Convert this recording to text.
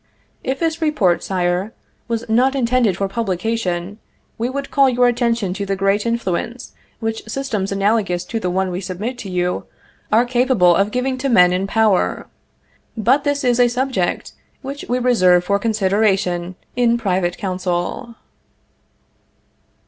If this report, Sire, was not intended for publication, we would call your attention to the great influence which systems analogous to the one we submit to you, are capable of giving to men in power. But this is a subject which we reserve for consideration in private counsel.